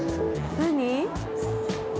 何？